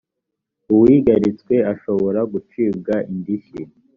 uwigaritswe ashobora gucibwa indishyi